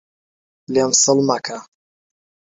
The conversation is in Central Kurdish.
لێم سڵ مەکە